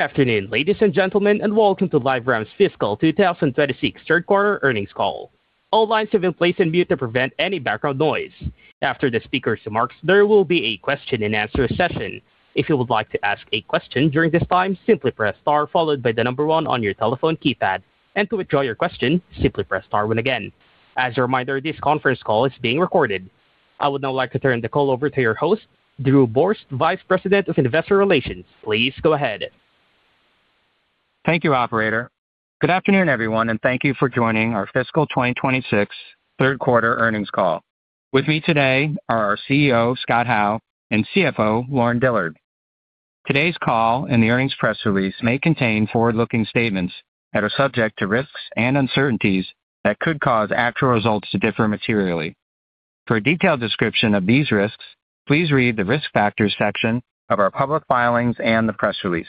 Good afternoon, ladies and gentlemen, and welcome to LiveRamp's Fiscal 2026 Third Quarter Earnings Call. All lines have been placed on mute to prevent any background noise. After the speaker's remarks, there will be a question-and-answer session. If you would like to ask a question during this time, simply press star followed by the number one on your telephone keypad, and to withdraw your question, simply press star one again. As a reminder, this conference call is being recorded. I would now like to turn the call over to your host, Drew Borst, Vice President of Investor Relations. Please go ahead. Thank you, operator. Good afternoon, everyone, and thank you for joining our Fiscal 2026 Third Quarter Earnings Call. With me today are our CEO, Scott Howe, and CFO, Lauren Dillard. Today's call and the earnings press release may contain forward-looking statements that are subject to risks and uncertainties that could cause actual results to differ materially. For a detailed description of these risks, please read the Risk Factors section of our public filings and the press release.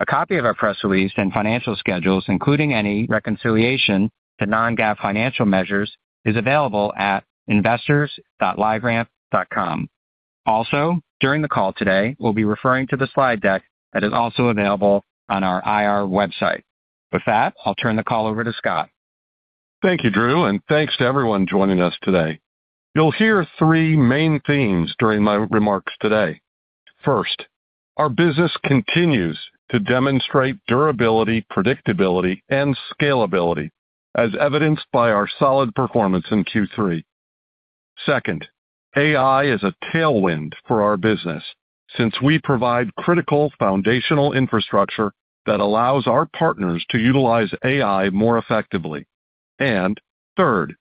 A copy of our press release and financial schedules, including any reconciliation to non-GAAP financial measures, is available at investors.liveramp.com. Also, during the call today, we'll be referring to the slide deck that is also available on our IR website. With that, I'll turn the call over to Scott. Thank you, Drew, and thanks to everyone joining us today. You'll hear three main themes during my remarks today. First, our business continues to demonstrate durability, predictability, and scalability, as evidenced by our solid performance in Q3. Second, AI is a tailwind for our business since we provide critical foundational infrastructure that allows our partners to utilize AI more effectively. And third,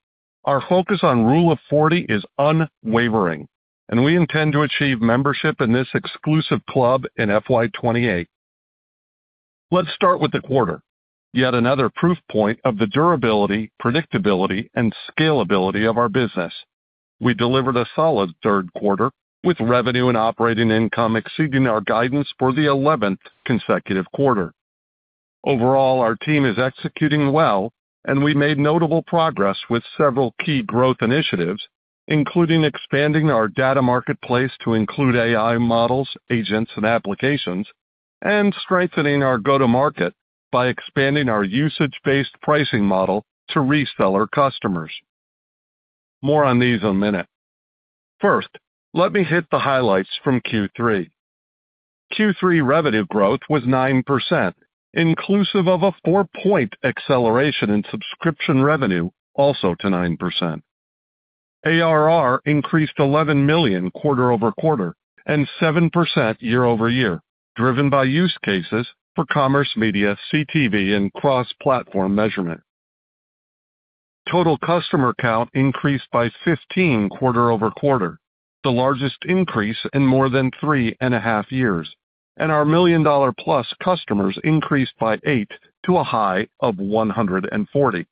our focus on Rule of 40 is unwavering, and we intend to achieve membership in this exclusive club in FY 2028. Let's start with the quarter, yet another proof point of the durability, predictability, and scalability of our business. We delivered a solid third quarter, with revenue and operating income exceeding our guidance for the 11th consecutive quarter. Overall, our team is executing well, and we made notable progress with several key growth initiatives, including expanding our Data Marketplace to include AI models, agents, and applications, and strengthening our go-to-market by expanding our usage-based pricing model to reseller customers. More on these in a minute. First, let me hit the highlights from Q3. Q3 revenue growth was 9%, inclusive of a four-point acceleration in subscription revenue, also to 9%. ARR increased $11 million quarter-over-quarter and 7% year-over-year, driven by use cases for commerce, media, CTV, and cross-platform measurement. Total customer count increased by 15 quarter-over-quarter, the largest increase in more than three and a half years, and our million-dollar-plus customers increased by eight to a high of 140.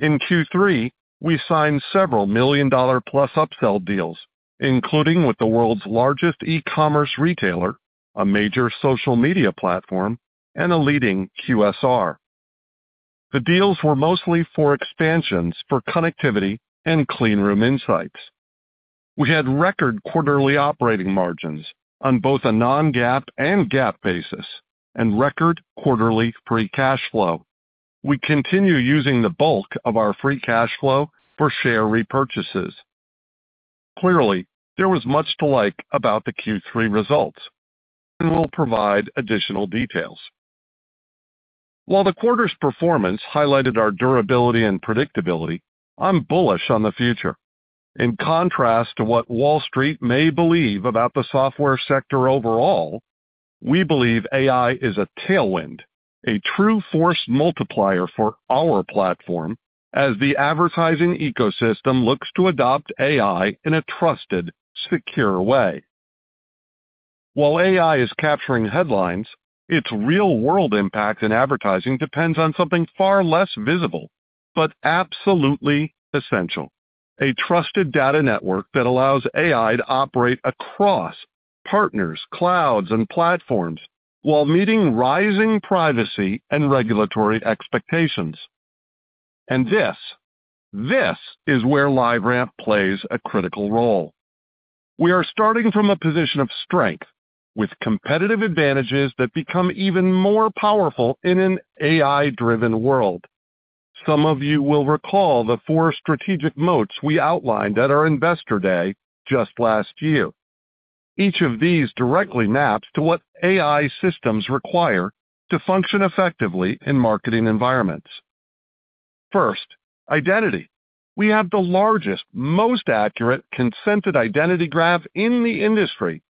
In Q3, we signed several million-dollar-plus upsell deals, including with the world's largest e-commerce retailer, a major social media platform, and a leading QSR. The deals were mostly for expansions for connectivity and Clean Room Insights. We had record quarterly operating margins on both a non-GAAP and GAAP basis and record quarterly free cash flow. We continue using the bulk of our free cash flow for share repurchases. Clearly, there was much to like about the Q3 results, and we'll provide additional details. While the quarter's performance highlighted our durability and predictability, I'm bullish on the future. In contrast to what Wall Street may believe about the software sector overall, we believe AI is a tailwind, a true force multiplier for our platform as the advertising ecosystem looks to adopt AI in a trusted, secure way. While AI is capturing headlines, its real-world impact in advertising depends on something far less visible but absolutely essential: a trusted data network that allows AI to operate across partners, clouds, and platforms while meeting rising privacy and regulatory expectations. And this, this is where LiveRamp plays a critical role. We are starting from a position of strength, with competitive advantages that become even more powerful in an AI-driven world. Some of you will recall the four strategic moats we outlined at our Investor Day just last year. Each of these directly maps to what AI systems require to function effectively in marketing environments. First, identity. We have the largest, most accurate, consented identity graph in the industry,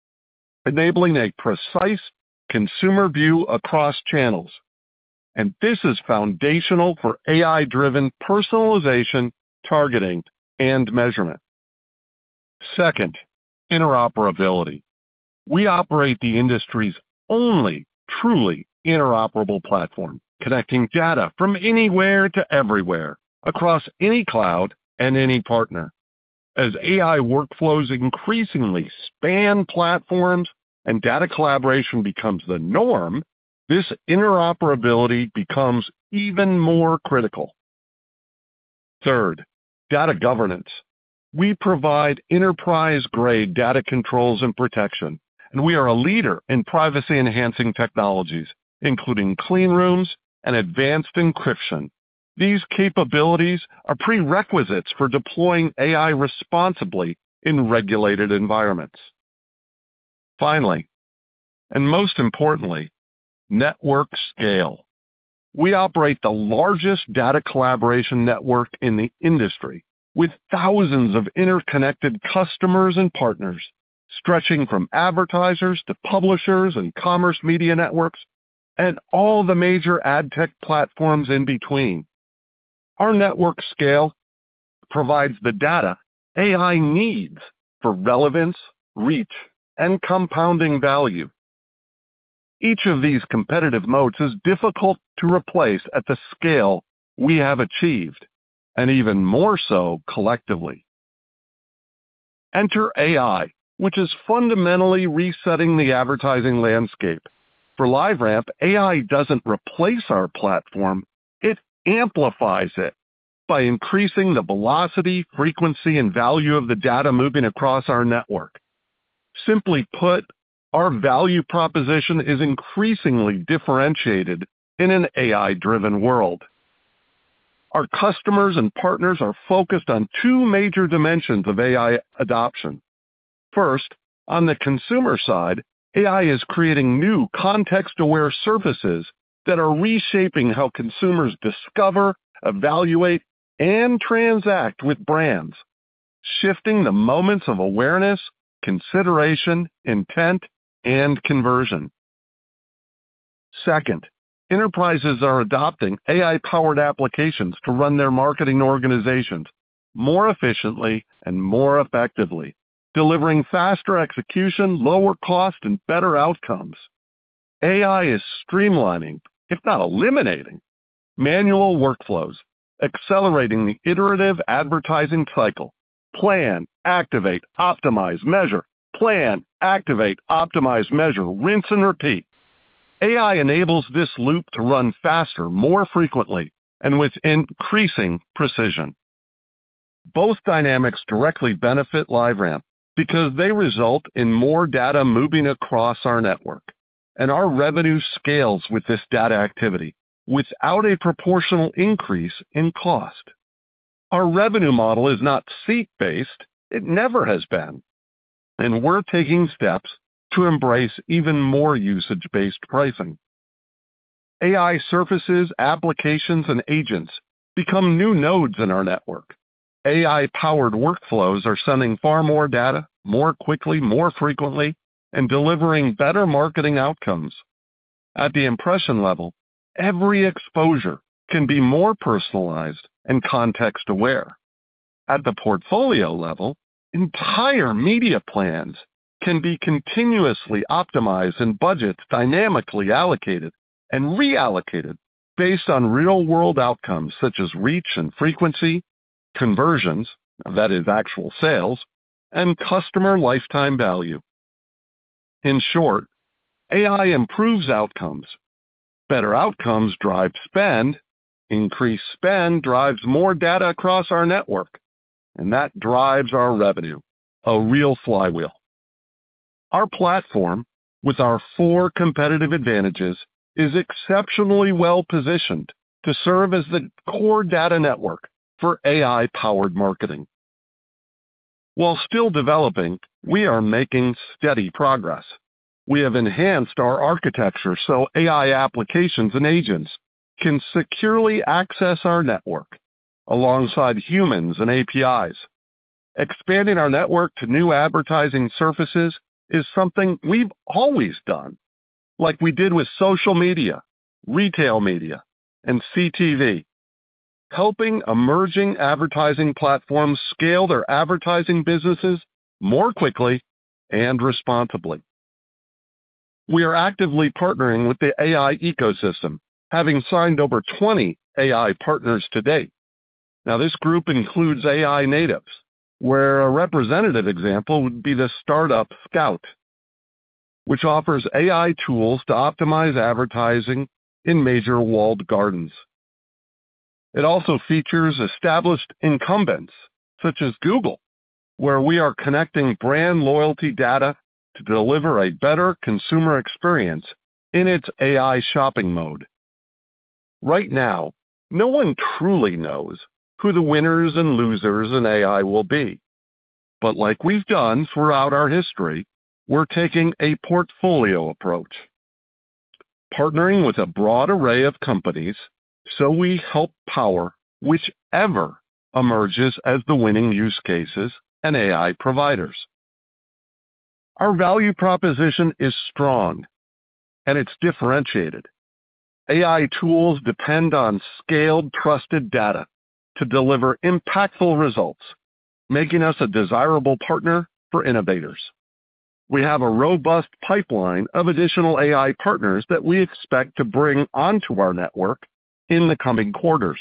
enabling a precise consumer view across channels, and this is foundational for AI-driven personalization, targeting, and measurement. Second, interoperability. We operate the industry's only truly interoperable platform, connecting data from anywhere to everywhere, across any cloud and any partner. As AI workflows increasingly span platforms and data collaboration becomes the norm, this interoperability becomes even more critical. Third, data governance. We provide enterprise-grade data controls and protection, and we are a leader in privacy-enhancing technologies, including clean rooms and advanced encryption. These capabilities are prerequisites for deploying AI responsibly in regulated environments. Finally, and most importantly, network scale. We operate the largest data collaboration network in the industry, with thousands of interconnected customers and partners, stretching from advertisers to publishers and commerce media networks, and all the major ad tech platforms in between. Our network scale provides the data AI needs for relevance, reach, and compounding value. Each of these competitive moats is difficult to replace at the scale we have achieved, and even more so collectively. Enter AI, which is fundamentally resetting the advertising landscape. For LiveRamp, AI doesn't replace our platform, it amplifies it by increasing the velocity, frequency, and value of the data moving across our network. Simply put, our value proposition is increasingly differentiated in an AI-driven world. Our customers and partners are focused on two major dimensions of AI adoption. First, on the consumer side, AI is creating new context-aware surfaces that are reshaping how consumers discover, evaluate, and transact with brands, shifting the moments of awareness, consideration, intent, and conversion. Second, enterprises are adopting AI-powered applications to run their marketing organizations more efficiently and more effectively, delivering faster execution, lower cost, and better outcomes. AI is streamlining, if not eliminating, manual workflows, accelerating the iterative advertising cycle: plan, activate, optimize, measure, plan, activate, optimize, measure, rinse and repeat. AI enables this loop to run faster, more frequently, and with increasing precision. Both dynamics directly benefit LiveRamp because they result in more data moving across our network, and our revenue scales with this data activity without a proportional increase in cost. Our revenue model is not seat-based, it never has been, and we're taking steps to embrace even more usage-based pricing. AI surfaces, applications, and agents become new nodes in our network. AI-powered workflows are sending far more data, more quickly, more frequently, and delivering better marketing outcomes. At the impression level, every exposure can be more personalized and context-aware. At the portfolio level, entire media plans can be continuously optimized and budgets dynamically allocated and reallocated based on real-world outcomes such as reach and frequency, conversions, that is actual sales, and customer lifetime value. In short, AI improves outcomes. Better outcomes drive spend. Increased spend drives more data across our network, and that drives our revenue. A real flywheel. Our platform, with our four competitive advantages, is exceptionally well-positioned to serve as the core data network for AI-powered marketing. While still developing, we are making steady progress. We have enhanced our architecture so AI applications and agents can securely access our network alongside humans and APIs. Expanding our network to new advertising surfaces is something we've always done, like we did with social media, retail media, and CTV, helping emerging advertising platforms scale their advertising businesses more quickly and responsibly. We are actively partnering with the AI ecosystem, having signed over 20 AI partners to date. Now, this group includes AI natives, where a representative example would be the startup Scout, which offers AI tools to optimize advertising in major walled gardens. It also features established incumbents such as Google, where we are connecting brand loyalty data to deliver a better consumer experience in its AI shopping mode. Right now, no one truly knows who the winners and losers in AI will be. But like we've done throughout our history, we're taking a portfolio approach, partnering with a broad array of companies so we help power whichever emerges as the winning use cases and AI providers. Our value proposition is strong, and it's differentiated. AI tools depend on scaled, trusted data to deliver impactful results, making us a desirable partner for innovators. We have a robust pipeline of additional AI partners that we expect to bring onto our network in the coming quarters.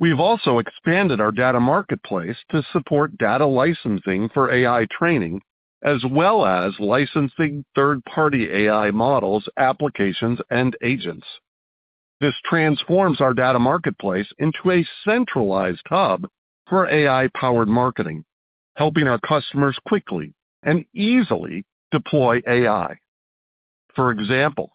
We've also expanded our Data Marketplace to support data licensing for AI training... as well as licensing third-party AI models, applications, and agents. This transforms our Data Marketplace into a centralized hub for AI-powered marketing, helping our customers quickly and easily deploy AI. For example,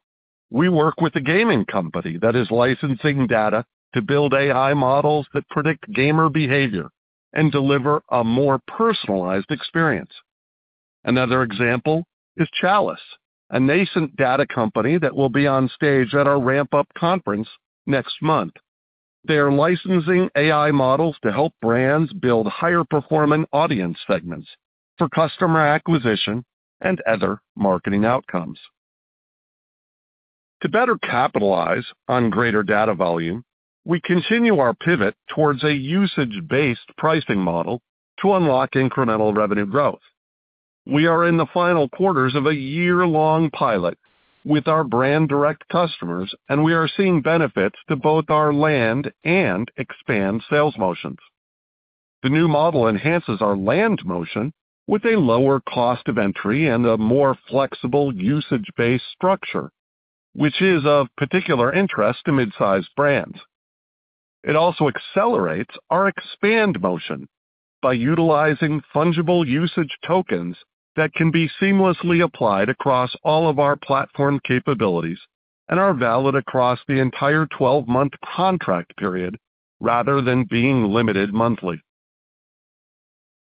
we work with a gaming company that is licensing data to build AI models that predict gamer behavior and deliver a more personalized experience. Another example is Chalice, a nascent data company that will be on stage at our Ramp Up conference next month. They are licensing AI models to help brands build higher-performing audience segments for customer acquisition and other marketing outcomes. To better capitalize on greater data volume, we continue our pivot towards a usage-based pricing model to unlock incremental revenue growth. We are in the final quarters of a year-long pilot with our brand direct customers, and we are seeing benefits to both our land and expand sales motions. The new model enhances our land motion with a lower cost of entry and a more flexible usage-based structure, which is of particular interest to mid-sized brands. It also accelerates our expand motion by utilizing fungible usage tokens that can be seamlessly applied across all of our platform capabilities and are valid across the entire 12-month contract period rather than being limited monthly.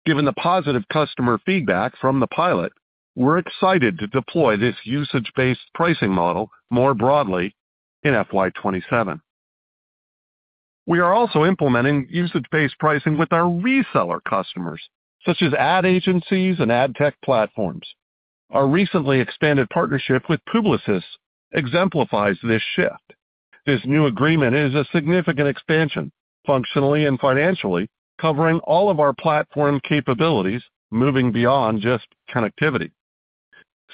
Given the positive customer feedback from the pilot, we're excited to deploy this usage-based pricing model more broadly in FY 2027. We are also implementing usage-based pricing with our reseller customers, such as ad agencies and ad tech platforms. Our recently expanded partnership with Publicis exemplifies this shift. This new agreement is a significant expansion, functionally and financially, covering all of our platform capabilities, moving beyond just connectivity.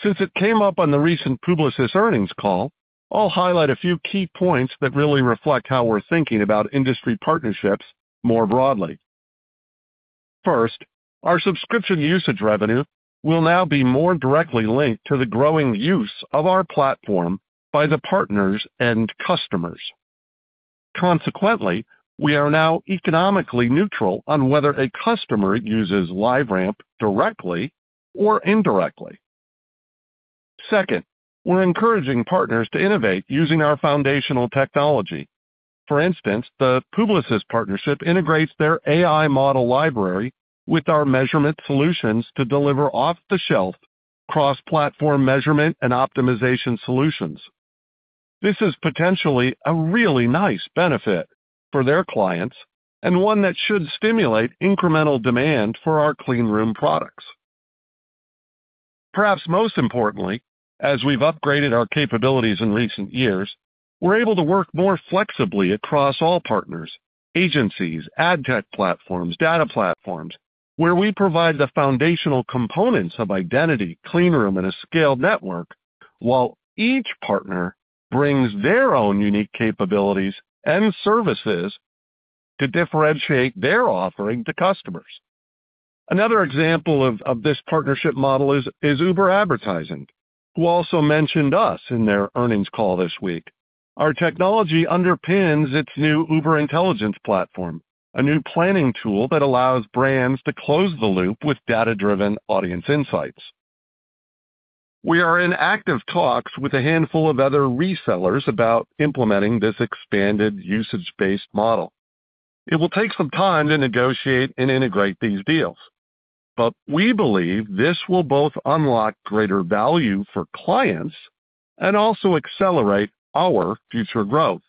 Since it came up on the recent Publicis earnings call, I'll highlight a few key points that really reflect how we're thinking about industry partnerships more broadly. First, our subscription usage revenue will now be more directly linked to the growing use of our platform by the partners and customers. Consequently, we are now economically neutral on whether a customer uses LiveRamp directly or indirectly. Second, we're encouraging partners to innovate using our foundational technology. For instance, the Publicis partnership integrates their AI model library with our measurement solutions to deliver off-the-shelf cross-platform measurement and optimization solutions. This is potentially a really nice benefit for their clients and one that should stimulate incremental demand for our clean room products. Perhaps most importantly, as we've upgraded our capabilities in recent years, we're able to work more flexibly across all partners, agencies, ad tech platforms, data platforms, where we provide the foundational components of identity, clean room, and a scaled network, while each partner brings their own unique capabilities and services to differentiate their offering to customers. Another example of this partnership model is Uber Advertising, who also mentioned us in their earnings call this week. Our technology underpins its new Uber Intelligence platform, a new planning tool that allows brands to close the loop with data-driven audience insights. We are in active talks with a handful of other resellers about implementing this expanded usage-based model. It will take some time to negotiate and integrate these deals, but we believe this will both unlock greater value for clients and also accelerate our future growth.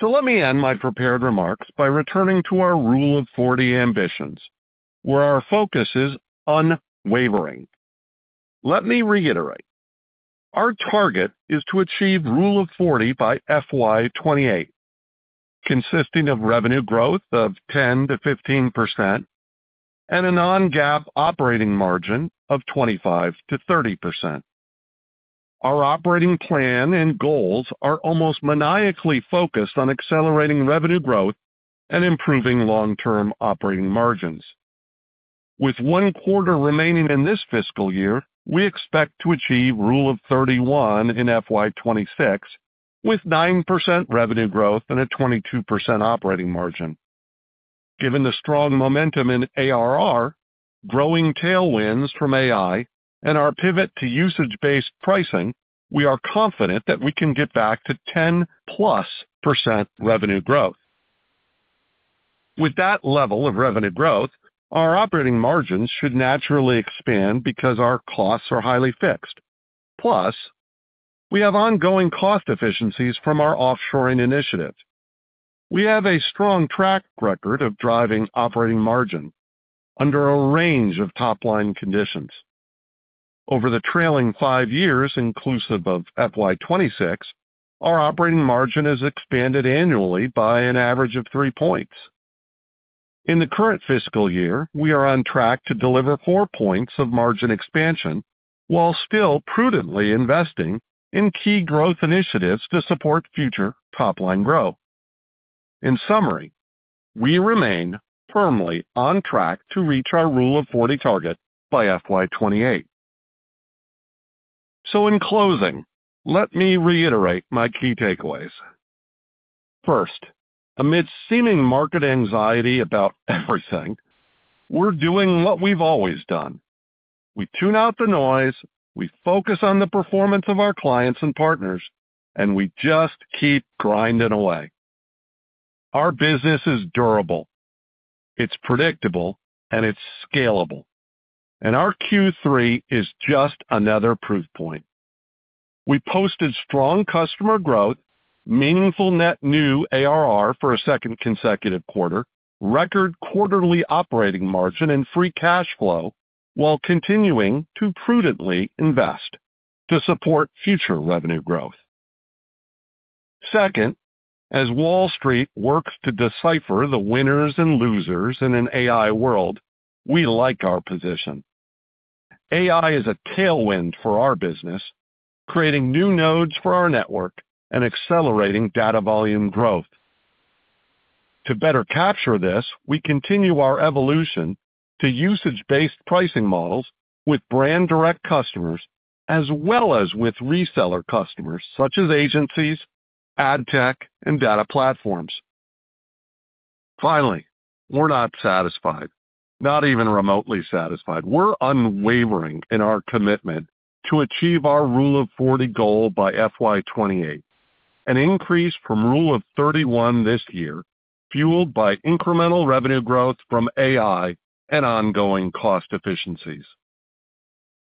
So let me end my prepared remarks by returning to our Rule of 40 ambitions, where our focus is unwavering. Let me reiterate, our target is to achieve Rule of 40 by FY 2028, consisting of revenue growth of 10%-15% and a non-GAAP operating margin of 25%-30%. Our operating plan and goals are almost maniacally focused on accelerating revenue growth and improving long-term operating margins. With one quarter remaining in this fiscal year, we expect to achieve Rule of 31 in FY 2026, with 9% revenue growth and a 22% operating margin. Given the strong momentum in ARR, growing tailwinds from AI, and our pivot to usage-based pricing, we are confident that we can get back to 10%+ revenue growth. With that level of revenue growth, our operating margins should naturally expand because our costs are highly fixed. Plus, we have ongoing cost efficiencies from our offshoring initiatives. We have a strong track record of driving operating margin under a range of top-line conditions. Over the trailing five years, inclusive of FY 2026, our operating margin has expanded annually by an average of three points. In the current fiscal year, we are on track to deliver four points of margin expansion while still prudently investing in key growth initiatives to support future top-line growth. In summary, we remain firmly on track to reach our Rule of 40 target by FY 2028. So in closing, let me reiterate my key takeaways. First, amidst seeming market anxiety about everything, we're doing what we've always done. We tune out the noise, we focus on the performance of our clients and partners, and we just keep grinding away. Our business is durable, it's predictable, and it's scalable, and our Q3 is just another proof point. We posted strong customer growth, meaningful net new ARR for a second consecutive quarter, record quarterly operating margin and free cash flow, while continuing to prudently invest to support future revenue growth. Second, as Wall Street works to decipher the winners and losers in an AI world, we like our position. AI is a tailwind for our business, creating new nodes for our network and accelerating data volume growth. To better capture this, we continue our evolution to usage-based pricing models with brand direct customers as well as with reseller customers such as agencies, ad tech, and data platforms. Finally, we're not satisfied, not even remotely satisfied. We're unwavering in our commitment to achieve our Rule of 40 goal by FY 2028, an increase from Rule of 31 this year, fueled by incremental revenue growth from AI and ongoing cost efficiencies.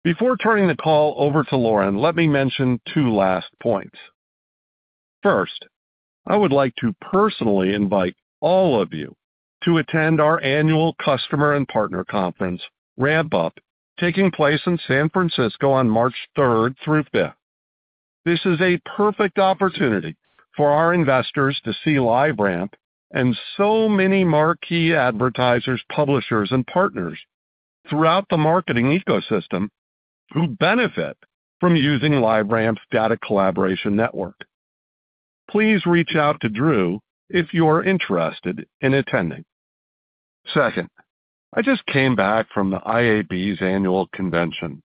Before turning the call over to Lauren, let me mention two last points. First, I would like to personally invite all of you to attend our annual customer and partner conference, Ramp Up, taking place in San Francisco on March 3rd through 5th. This is a perfect opportunity for our investors to see LiveRamp and so many marquee advertisers, publishers, and partners throughout the marketing ecosystem who benefit from using LiveRamp's data collaboration network. Please reach out to Drew if you're interested in attending. Second, I just came back from the IAB's annual convention.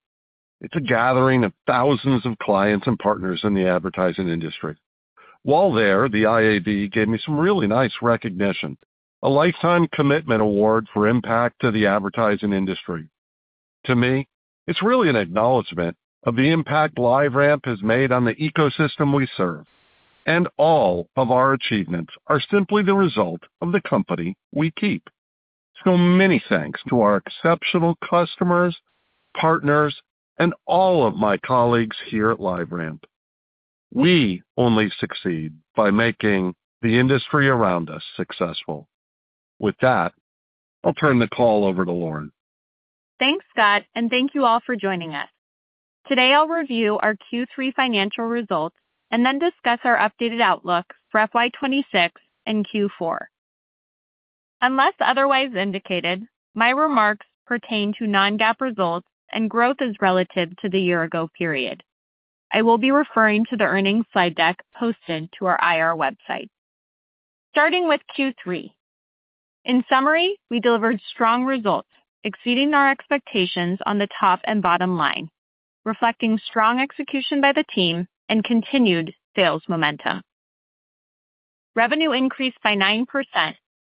It's a gathering of thousands of clients and partners in the advertising industry. While there, the IAB gave me some really nice recognition, a lifetime commitment award for impact to the advertising industry. To me, it's really an acknowledgment of the impact LiveRamp has made on the ecosystem we serve, and all of our achievements are simply the result of the company we keep. So many thanks to our exceptional customers, partners, and all of my colleagues here at LiveRamp. We only succeed by making the industry around us successful. With that, I'll turn the call over to Lauren. Thanks, Scott, and thank you all for joining us. Today, I'll review our Q3 financial results and then discuss our updated outlook for FY 2026 and Q4. Unless otherwise indicated, my remarks pertain to non-GAAP results, and growth is relative to the year ago period. I will be referring to the earnings slide deck posted to our IR website. Starting with Q3. In summary, we delivered strong results, exceeding our expectations on the top and bottom line, reflecting strong execution by the team and continued sales momentum. Revenue increased by 9%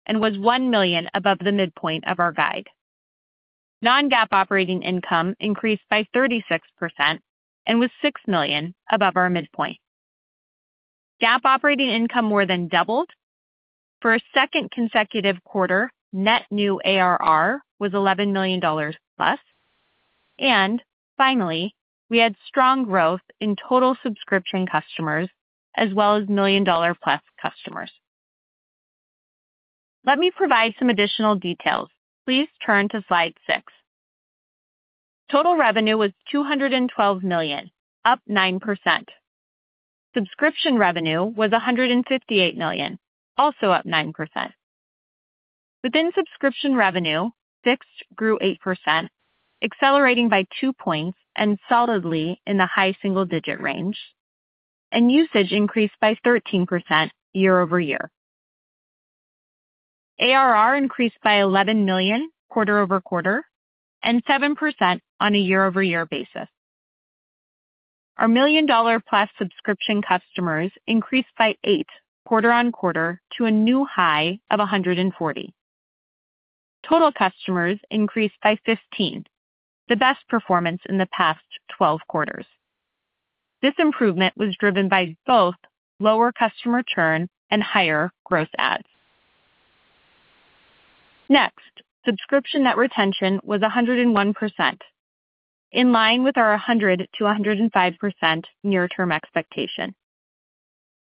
and was $1 million above the midpoint of our guide. Non-GAAP operating income increased by 36% and was $6 million above our midpoint. GAAP operating income more than doubled for a second consecutive quarter. Net new ARR was $11 million+, and finally, we had strong growth in total subscription customers as well as million-dollar-plus customers. Let me provide some additional details. Please turn to slide six. Total revenue was $212 million, up 9%. Subscription revenue was $158 million, also up 9%. Within subscription revenue, fixed grew 8%, accelerating by two points and solidly in the high single-digit range, and usage increased by 13% year-over-year. ARR increased by $11 million quarter-over-quarter and 7% on a year-over-year basis. Our million-dollar-plus subscription customers increased by eight quarter-over-quarter to a new high of 140. Total customers increased by 15, the best performance in the past 12 quarters. This improvement was driven by both lower customer churn and higher gross adds. Next, subscription net retention was 101%, in line with our 100%-105% near-term expectation.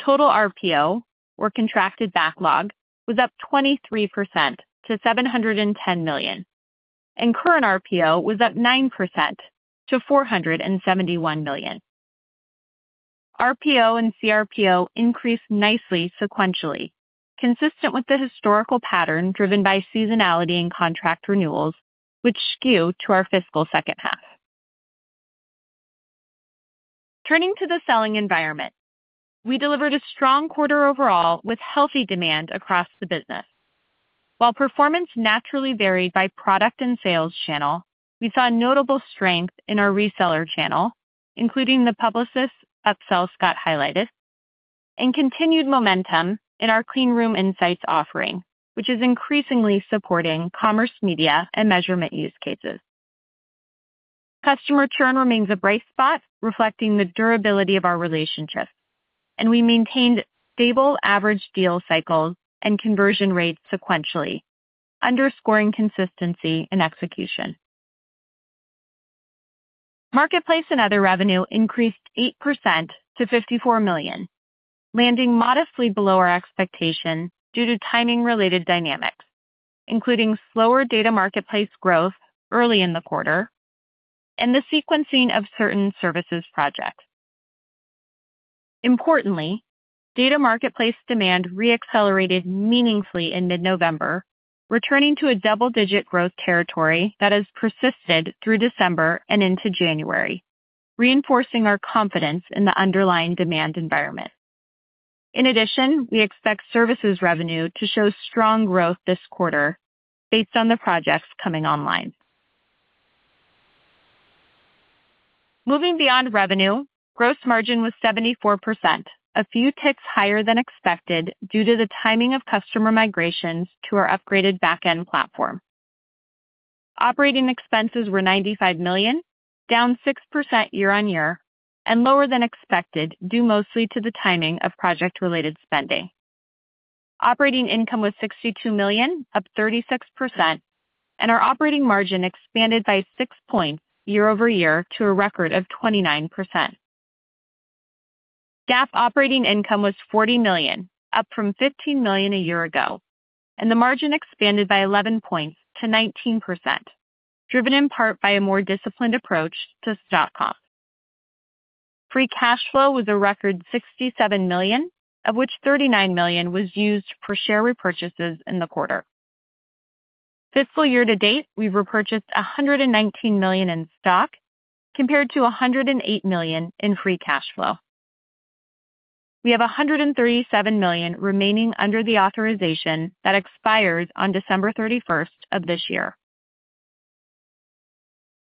Total RPO, or contracted backlog, was up 23% to $710 million, and current RPO was up 9% to $471 million. RPO and CRPO increased nicely sequentially, consistent with the historical pattern driven by seasonality and contract renewals, which skew to our fiscal second half.... Turning to the selling environment. We delivered a strong quarter overall, with healthy demand across the business. While performance naturally varied by product and sales channel, we saw notable strength in our reseller channel, including the Publicis upsell Scott highlighted, and continued momentum in our Clean Room Insights offering, which is increasingly supporting commerce, media, and measurement use cases. Customer churn remains a bright spot, reflecting the durability of our relationships, and we maintained stable average deal cycles and conversion rates sequentially, underscoring consistency in execution. Marketplace and other revenue increased 8% to $54 million, landing modestly below our expectation due to timing-related dynamics, including slower Data Marketplace growth early in the quarter and the sequencing of certain services projects. Importantly, Data Marketplace demand re-accelerated meaningfully in mid-November, returning to a double-digit growth territory that has persisted through December and into January, reinforcing our confidence in the underlying demand environment. In addition, we expect services revenue to show strong growth this quarter based on the projects coming online. Moving beyond revenue, gross margin was 74%, a few ticks higher than expected due to the timing of customer migrations to our upgraded back-end platform. Operating expenses were $95 million, down 6% year-over-year, and lower than expected, due mostly to the timing of project-related spending. Operating income was $62 million, up 36%, and our operating margin expanded by six points year-over-year to a record of 29%. GAAP operating income was $40 million, up from $15 million a year ago, and the margin expanded by 11 points to 19%, driven in part by a more disciplined approach to stock comp. Free cash flow was a record $67 million, of which $39 million was used for share repurchases in the quarter. Fiscal year to date, we've repurchased $119 million in stock, compared to $108 million in free cash flow. We have $137 million remaining under the authorization that expires on December 31st of this year.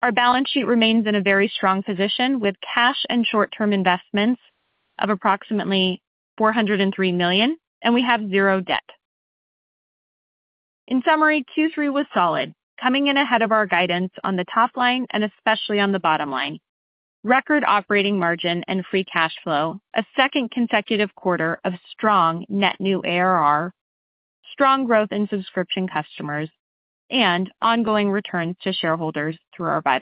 Our balance sheet remains in a very strong position, with cash and short-term investments of approximately $403 million, and we have zero debt. In summary, Q3 was solid, coming in ahead of our guidance on the top line and especially on the bottom line. Record operating margin and free cash flow, a second consecutive quarter of strong net new ARR, strong growth in subscription customers, and ongoing returns to shareholders through our buyback.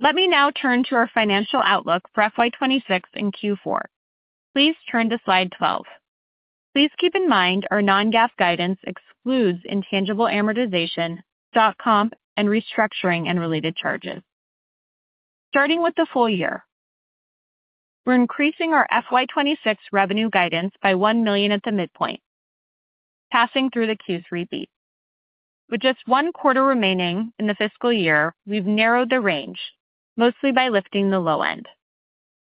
Let me now turn to our financial outlook for FY 2026 and Q4. Please turn to slide 12. Please keep in mind, our non-GAAP guidance excludes intangible amortization, stock comp, and restructuring and related charges. Starting with the full year, we're increasing our FY 2026 revenue guidance by $1 million at the midpoint, passing through the Q3 beat. With just one quarter remaining in the fiscal year, we've narrowed the range, mostly by lifting the low end.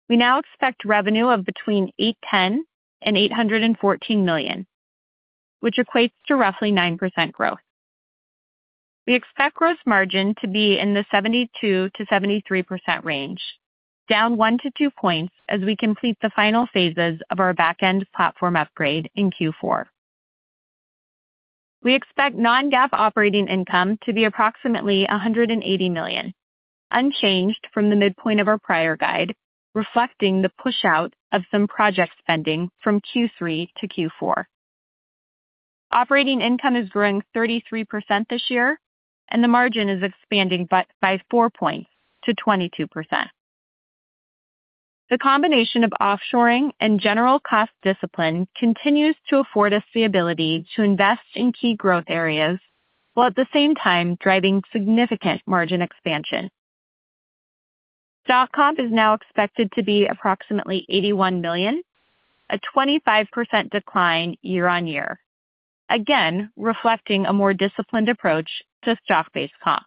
We now expect revenue of between $810 million and $814 million, which equates to roughly 9% growth. We expect gross margin to be in the 72%-73% range, down one-two points as we complete the final phases of our back-end platform upgrade in Q4. We expect non-GAAP operating income to be approximately $180 million, unchanged from the midpoint of our prior guide, reflecting the push out of some project spending from Q3 to Q4. Operating income is growing 33% this year, and the margin is expanding by four points to 22%. The combination of offshoring and general cost discipline continues to afford us the ability to invest in key growth areas, while at the same time driving significant margin expansion. Stock comp is now expected to be approximately $81 million, a 25% decline year-over-year, again, reflecting a more disciplined approach to stock-based comp.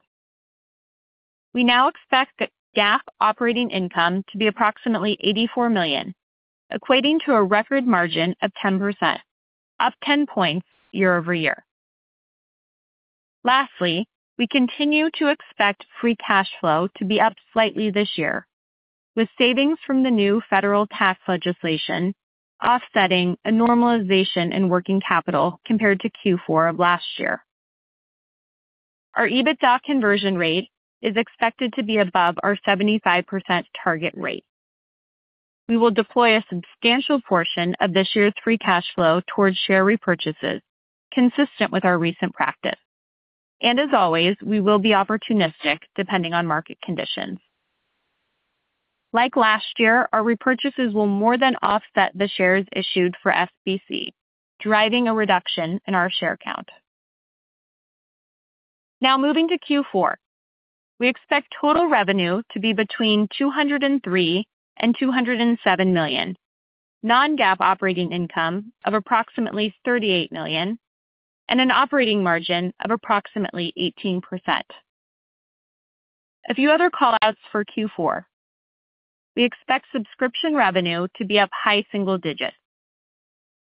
We now expect GAAP operating income to be approximately $84 million, equating to a record margin of 10%, up 10 points year-over-year. Lastly, we continue to expect free cash flow to be up slightly this year, with savings from the new federal tax legislation offsetting a normalization in working capital compared to Q4 of last year. Our EBITDA conversion rate is expected to be above our 75% target rate. We will deploy a substantial portion of this year's free cash flow towards share repurchases, consistent with our recent practice. As always, we will be opportunistic depending on market conditions. Like last year, our repurchases will more than offset the shares issued for SBC, driving a reduction in our share count. Now moving to Q4. We expect total revenue to be between $203 million and $207 million. Non-GAAP operating income of approximately $38 million, and an operating margin of approximately 18%. A few other call-outs for Q4. We expect subscription revenue to be up high single digits.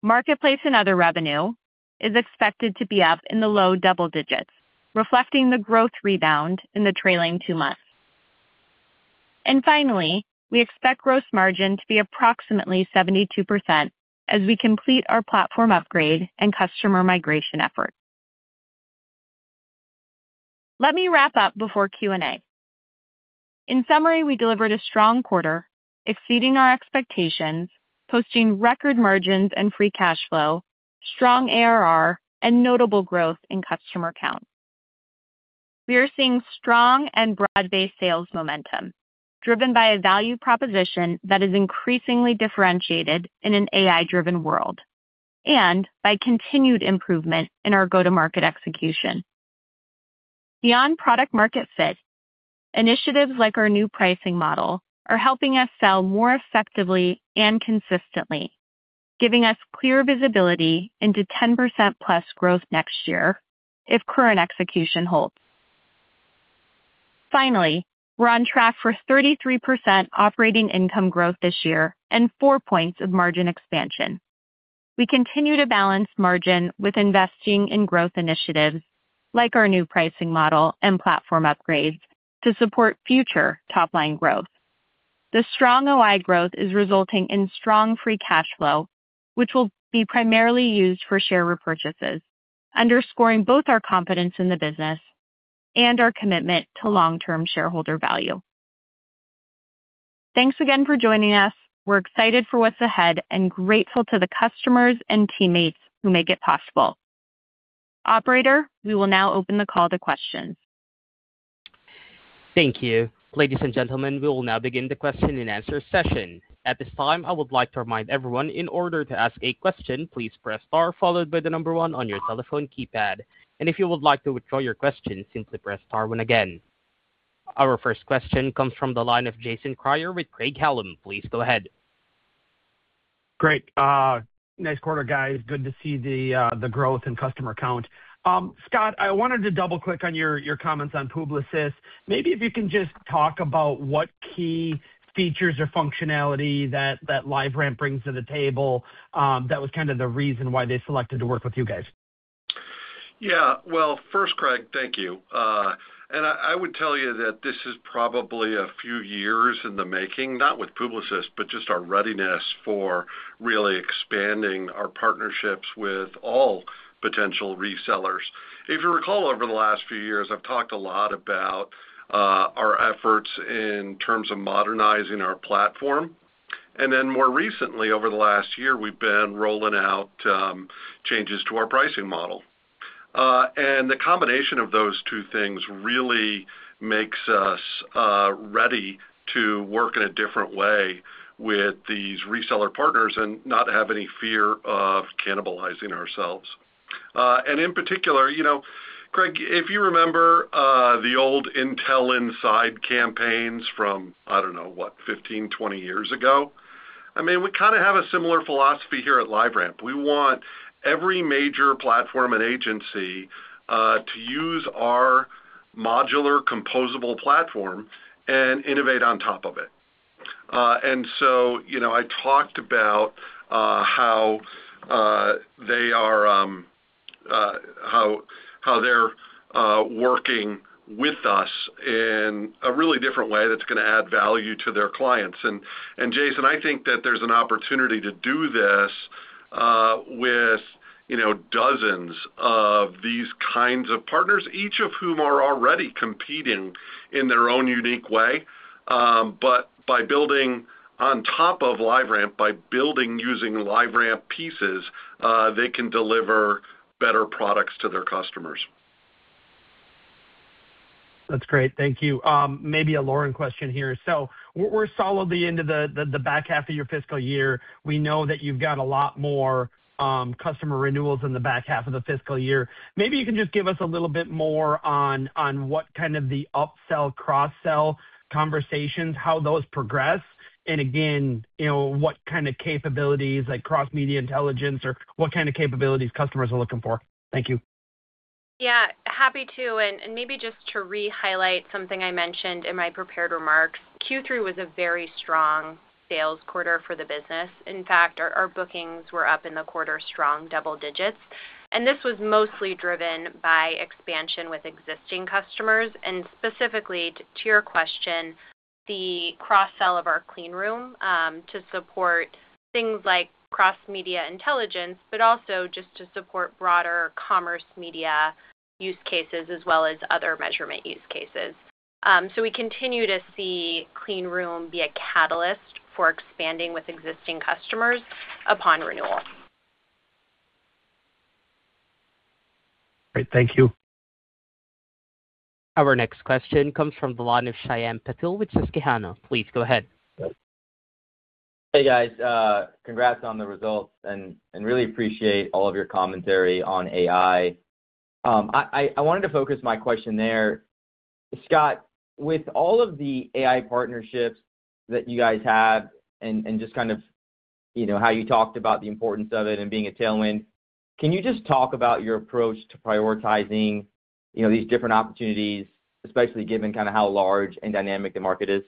Marketplace and other revenue is expected to be up in the low double digits, reflecting the growth rebound in the trailing two months. Finally, we expect gross margin to be approximately 72% as we complete our platform upgrade and customer migration efforts. Let me wrap up before Q&A. In summary, we delivered a strong quarter, exceeding our expectations, posting record margins and free cash flow, strong ARR, and notable growth in customer count. We are seeing strong and broad-based sales momentum, driven by a value proposition that is increasingly differentiated in an AI-driven world, and by continued improvement in our go-to-market execution. Beyond product-market fit, initiatives like our new pricing model are helping us sell more effectively and consistently, giving us clear visibility into 10%+ growth next year if current execution holds. Finally, we're on track for 33% operating income growth this year and four points of margin expansion. We continue to balance margin with investing in growth initiatives like our new pricing model and platform upgrades to support future top-line growth. The strong OI growth is resulting in strong free cash flow, which will be primarily used for share repurchases, underscoring both our confidence in the business and our commitment to long-term shareholder value. Thanks again for joining us. We're excited for what's ahead and grateful to the customers and teammates who make it possible. Operator, we will now open the call to questions. Thank you. Ladies and gentlemen, we will now begin the question-and-answer session. At this time, I would like to remind everyone, in order to ask a question, please press star followed by the number one on your telephone keypad. If you would like to withdraw your question, simply press star one again. Our first question comes from the line of Jason Kreyer with Craig-Hallum. Please go ahead. Great. Nice quarter, guys. Good to see the growth in customer count. Scott, I wanted to double-click on your comments on Publicis. Maybe if you can just talk about what key features or functionality that LiveRamp brings to the table, that was kind of the reason why they selected to work with you guys. Yeah, well, first, Craig, thank you. And I would tell you that this is probably a few years in the making, not with Publicis, but just our readiness for really expanding our partnerships with all potential resellers. If you recall, over the last few years, I've talked a lot about our efforts in terms of modernizing our platform. And then more recently, over the last year, we've been rolling out changes to our pricing model. And the combination of those two things really makes us ready to work in a different way with these reseller partners and not have any fear of cannibalizing ourselves. And in particular, you know, Craig, if you remember, the old Intel Inside campaigns from, I don't know, what, 15, 20 years ago, I mean, we kind of have a similar philosophy here at LiveRamp. We want every major platform and agency to use our modular composable platform and innovate on top of it. And so, you know, I talked about how they're working with us in a really different way that's gonna add value to their clients. And Jason, I think that there's an opportunity to do this with you know, dozens of these kinds of partners, each of whom are already competing in their own unique way. But by building on top of LiveRamp, by building using LiveRamp pieces, they can deliver better products to their customers. That's great. Thank you. Maybe a Lauren question here. So we're solidly into the back half of your fiscal year. We know that you've got a lot more customer renewals in the back half of the fiscal year. Maybe you can just give us a little bit more on what kind of the upsell, cross-sell conversations, how those progress, and again, you know, what kind of capabilities, like cross-media intelligence or what kind of capabilities customers are looking for. Thank you. Yeah, happy to, and maybe just to rehighlight something I mentioned in my prepared remarks, Q3 was a very strong sales quarter for the business. In fact, our bookings were up in the quarter, strong double digits, and this was mostly driven by expansion with existing customers, and specifically, to your question, the cross-sell of our Clean Room to support things like Cross Media Intelligence, but also just to support broader commerce media use cases, as well as other measurement use cases. So we continue to see Clean Room be a catalyst for expanding with existing customers upon renewal. Great. Thank you. Our next question comes from the line of Shyam Patil with Susquehanna. Please go ahead. Hey, guys, congrats on the results and really appreciate all of your commentary on AI. I wanted to focus my question there.... Scott, with all of the AI partnerships that you guys have, and just kind of, you know, how you talked about the importance of it and being a tailwind, can you just talk about your approach to prioritizing, you know, these different opportunities, especially given kind of how large and dynamic the market is?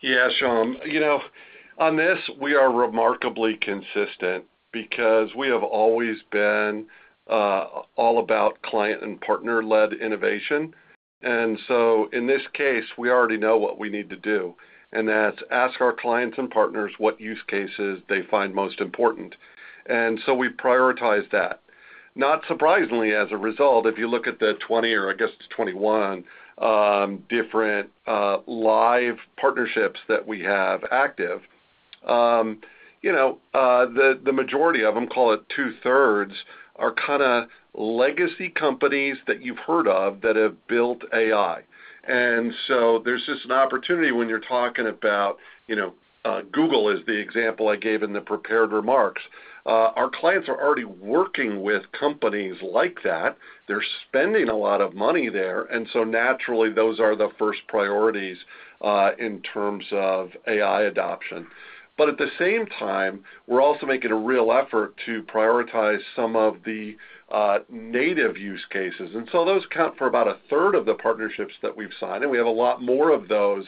Yeah, Shyam, you know, on this, we are remarkably consistent because we have always been all about client and partner-led innovation. And so in this case, we already know what we need to do, and that's ask our clients and partners what use cases they find most important. And so we prioritize that. Not surprisingly, as a result, if you look at the 20, or I guess it's 21, different, live partnerships that we have active, you know, the majority of them, call it 2/3, are kinda legacy companies that you've heard of that have built AI. And so there's just an opportunity when you're talking about, you know, Google is the example I gave in the prepared remarks. Our clients are already working with companies like that. They're spending a lot of money there, and so naturally, those are the first priorities in terms of AI adoption. But at the same time, we're also making a real effort to prioritize some of the native use cases. And so those count for about a third of the partnerships that we've signed, and we have a lot more of those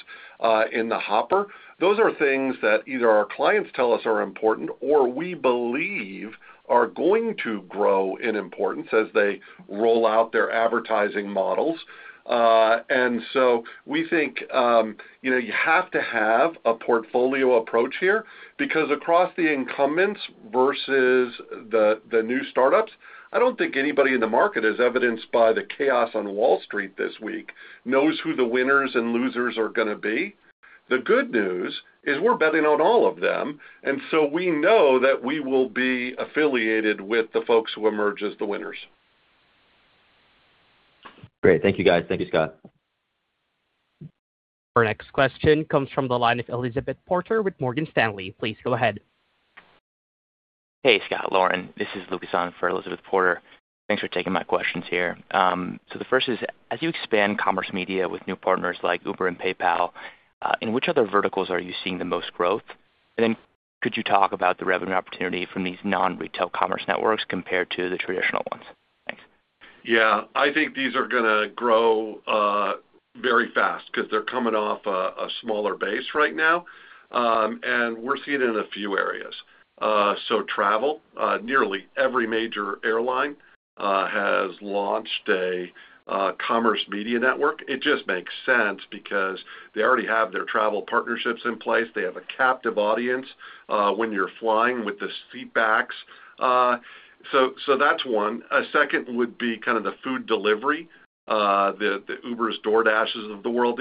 in the hopper. Those are things that either our clients tell us are important or we believe are going to grow in importance as they roll out their advertising models. And so we think, you know, you have to have a portfolio approach here, because across the incumbents versus the new startups, I don't think anybody in the market, as evidenced by the chaos on Wall Street this week, knows who the winners and losers are gonna be. The good news is we're betting on all of them, and so we know that we will be affiliated with the folks who emerge as the winners. Great. Thank you, guys. Thank you, Scott. Our next question comes from the line of Elizabeth Porter with Morgan Stanley. Please go ahead. Hey, Scott, Lauren. This is Lucas on for Elizabeth Porter. Thanks for taking my questions here. So the first is, as you expand commerce media with new partners like Uber and PayPal, in which other verticals are you seeing the most growth? And then could you talk about the revenue opportunity from these non-retail commerce networks compared to the traditional ones? Thanks. Yeah. I think these are gonna grow very fast because they're coming off a smaller base right now, and we're seeing it in a few areas. So travel, nearly every major airline has launched a commerce media network. It just makes sense because they already have their travel partnerships in place. They have a captive audience when you're flying with the seat backs. So that's one. A second would be kind of the food delivery, the Ubers, DoorDashes of the world.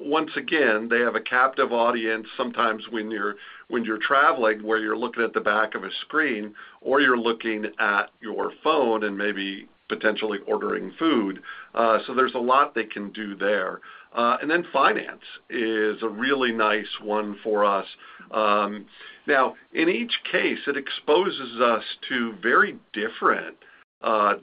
Once again, they have a captive audience sometimes when you're traveling, where you're looking at the back of a screen, or you're looking at your phone and maybe potentially ordering food, so there's a lot they can do there. And then finance is a really nice one for us. Now, in each case, it exposes us to very different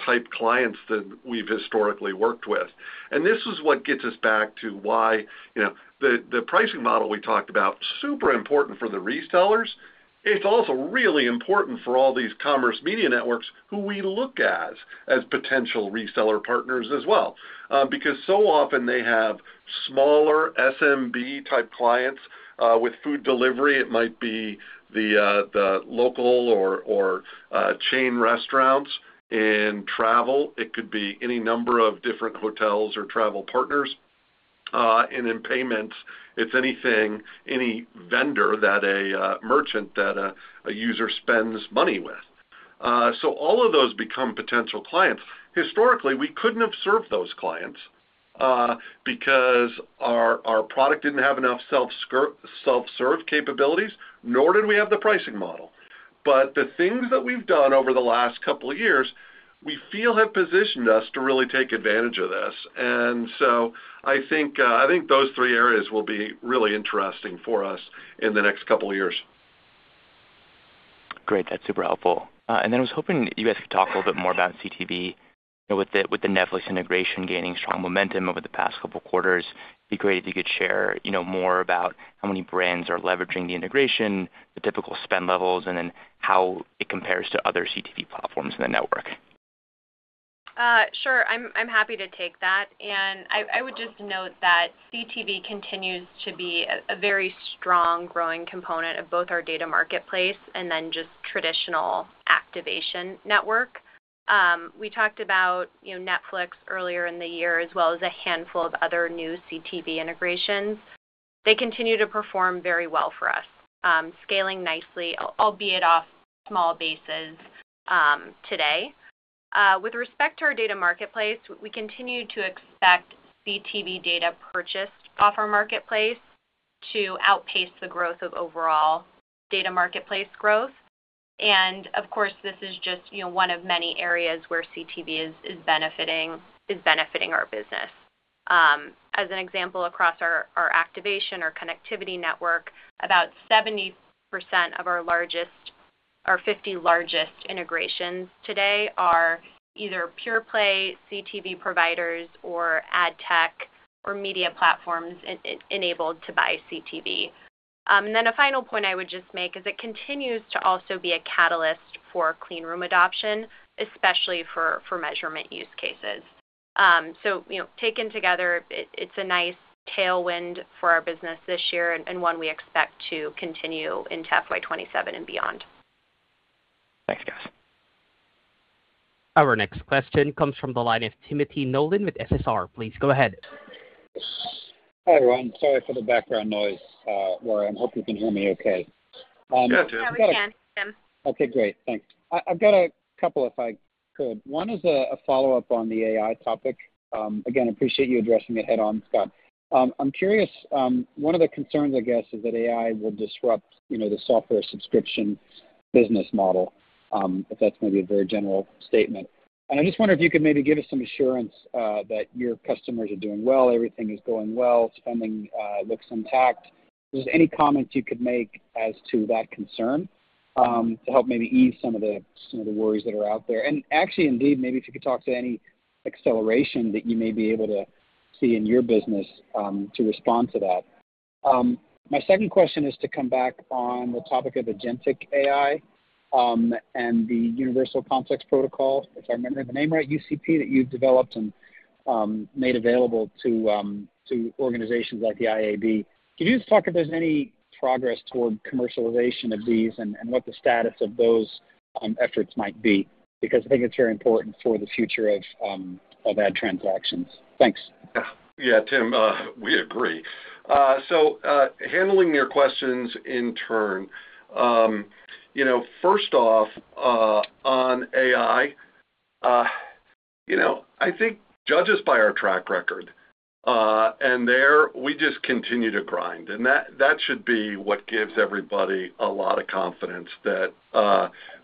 type clients than we've historically worked with. And this is what gets us back to why, you know, the, the pricing model we talked about, super important for the resellers. It's also really important for all these commerce media networks who we look at as potential reseller partners as well. Because so often they have smaller SMB-type clients. With food delivery, it might be the, the local or, or chain restaurants. In travel, it could be any number of different hotels or travel partners. And in payments, it's anything, any vendor that a, merchant that a, a user spends money with. So all of those become potential clients. Historically, we couldn't have served those clients because our product didn't have enough self-serve capabilities, nor did we have the pricing model. But the things that we've done over the last couple of years, we feel have positioned us to really take advantage of this. And so I think those three areas will be really interesting for us in the next couple of years. Great. That's super helpful. And then I was hoping you guys could talk a little bit more about CTV. With the Netflix integration gaining strong momentum over the past couple of quarters, it'd be great if you could share, you know, more about how many brands are leveraging the integration, the typical spend levels, and then how it compares to other CTV platforms in the network. Sure. I'm happy to take that. I would just note that CTV continues to be a very strong, growing component of both our Data Marketplace and then just traditional activation network. We talked about, you know, Netflix earlier in the year, as well as a handful of other new CTV integrations. They continue to perform very well for us, scaling nicely, albeit off small bases, today. With respect to our Data Marketplace, we continue to expect CTV data purchased off our marketplace to outpace the growth of overall Data Marketplace growth. Of course, this is just, you know, one of many areas where CTV is benefiting our business. As an example, across our activation, our connectivity network, about 70% of our largest-... Our 50 largest integrations today are either pure play CTV providers or ad tech or media platforms enabled to buy CTV. And then a final point I would just make is it continues to also be a catalyst for Clean Room adoption, especially for measurement use cases. So, you know, taken together, it, it's a nice tailwind for our business this year and one we expect to continue into FY 2027 and beyond. Thanks, guys. Our next question comes from the line of Timothy Nolan with SSR. Please go ahead. Hi, everyone. Sorry for the background noise, Laura, I hope you can hear me okay. Yeah, Tim. We can, Tim. Okay, great. Thanks. I've got a couple, if I could. One is a follow-up on the AI topic. Again, appreciate you addressing it head-on, Scott. I'm curious, one of the concerns, I guess, is that AI will disrupt, you know, the software subscription business model, if that's maybe a very general statement. And I just wonder if you could maybe give us some assurance, that your customers are doing well, everything is going well, spending looks intact. Just any comments you could make as to that concern, to help maybe ease some of the, some of the worries that are out there? And actually, indeed, maybe if you could talk to any acceleration that you may be able to see in your business, to respond to that. My second question is to come back on the topic of agentic AI, and the Ad Context Protocol, if I'm remembering the name right, AdCP, that you've developed and, made available to, to organizations like the IAB. Can you just talk if there's any progress toward commercialization of these and, and what the status of those, efforts might be? Because I think it's very important for the future of, of ad transactions. Thanks. Yeah, Tim, we agree. So, handling your questions in turn. You know, first off, on AI, you know, I think judge us by our track record, and there, we just continue to grind, and that, that should be what gives everybody a lot of confidence that,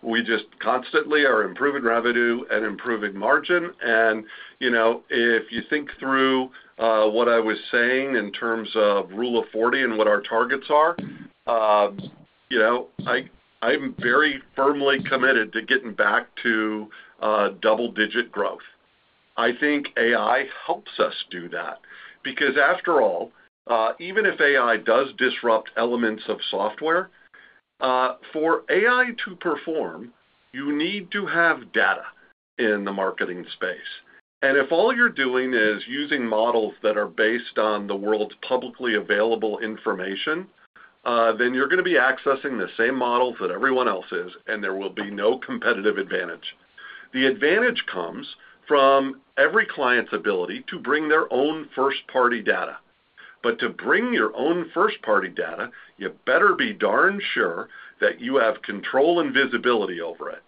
we just constantly are improving revenue and improving margin. And, you know, if you think through, what I was saying in terms of Rule of 40 and what our targets are, you know, I, I'm very firmly committed to getting back to, double-digit growth. I think AI helps us do that, because after all, even if AI does disrupt elements of software, for AI to perform, you need to have data in the marketing space. And if all you're doing is using models that are based on the world's publicly available information, then you're gonna be accessing the same models that everyone else is, and there will be no competitive advantage. The advantage comes from every client's ability to bring their own first-party data. But to bring your own first-party data, you better be darn sure that you have control and visibility over it,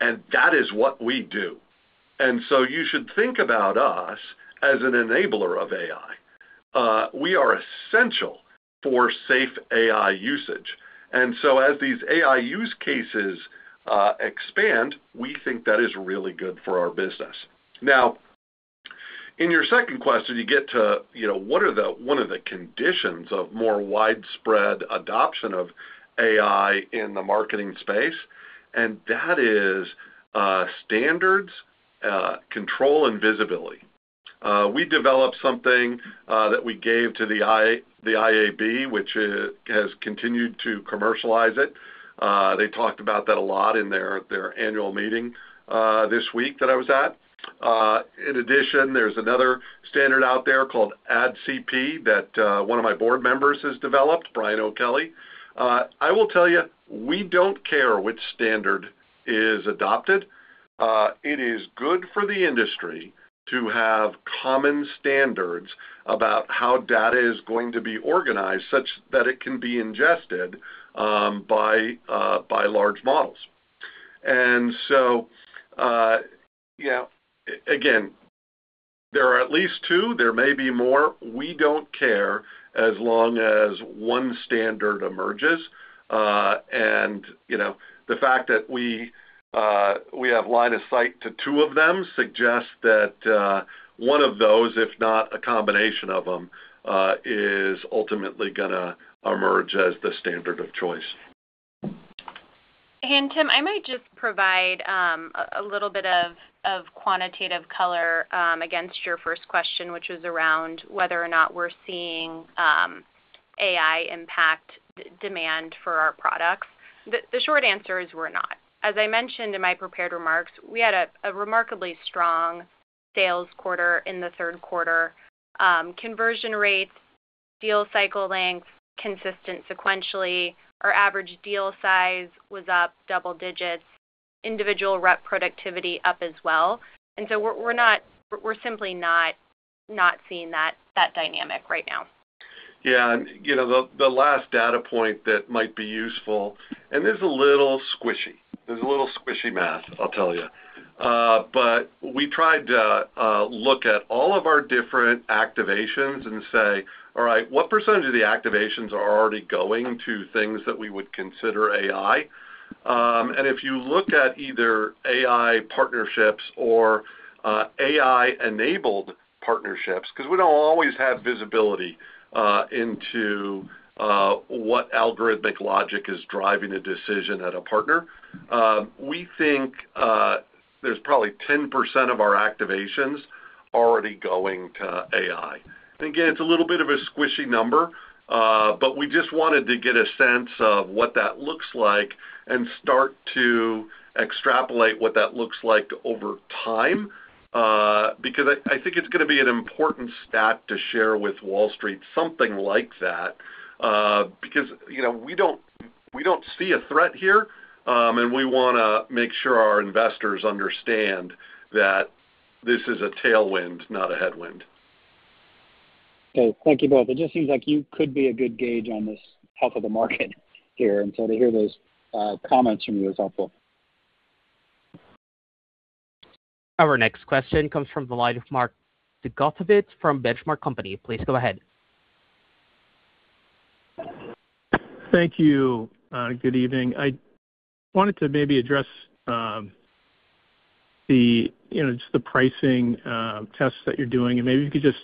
and that is what we do. And so you should think about us as an enabler of AI. We are essential for safe AI usage. And so as these AI use cases expand, we think that is really good for our business. Now, in your second question, you get to, you know, what are one of the conditions of more widespread adoption of AI in the marketing space, and that is standards, control, and visibility. We developed something that we gave to the I- the IAB, which has continued to commercialize it. They talked about that a lot in their annual meeting this week that I was at. In addition, there's another standard out there called AdCP that one of my board members has developed, Brian O'Kelley. I will tell you, we don't care which standard is adopted. It is good for the industry to have common standards about how data is going to be organized such that it can be ingested by large models. And so, yeah, again, there are at least two, there may be more. We don't care as long as one standard emerges. And, you know, the fact that we have line of sight to two of them suggests that one of those, if not a combination of them, is ultimately gonna emerge as the standard of choice. Tim, I might just provide a little bit of quantitative color against your first question, which is around whether or not we're seeing AI impact demand for our products. The short answer is we're not. As I mentioned in my prepared remarks, we had a remarkably strong sales quarter in the third quarter. Conversion rates, deal cycle length, consistent sequentially. Our average deal size was up double digits, individual rep productivity up as well. And so we're not. We're simply not seeing that dynamic right now. Yeah, and, you know, the last data point that might be useful, and this is a little squishy. This is a little squishy math, I'll tell you. But we tried to look at all of our different activations and say: All right, what percentage of the activations are already going to things that we would consider AI? And if you look at either AI partnerships or AI-enabled partnerships, 'cause we don't always have visibility into what algorithmic logic is driving a decision at a partner. We think there's probably 10% of our activations already going to AI. Again, it's a little bit of a squishy number, but we just wanted to get a sense of what that looks like and start to extrapolate what that looks like over time, because I, I think it's gonna be an important stat to share with Wall Street, something like that. Because, you know, we don't, we don't see a threat here, and we wanna make sure our investors understand that this is a tailwind, not a headwind. Okay, thank you both. It just seems like you could be a good gauge on this health of the market here, and so to hear those comments from you is helpful. Our next question comes from the line of Mark Zgutowicz from Benchmark Company. Please go ahead. Thank you. Good evening. I wanted to maybe address, you know, just the pricing tests that you're doing, and maybe you could just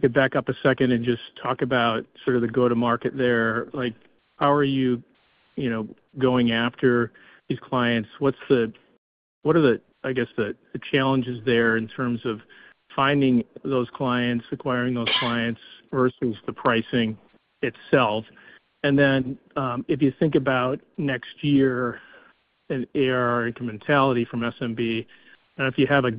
get back up a second and just talk about sort of the go-to-market there. Like, how are you, you know, going after these clients? What's the, what are the, I guess, the challenges there in terms of finding those clients, acquiring those clients, versus the pricing itself? And then, if you think about next year and ARR incrementality from SMB, and if you have a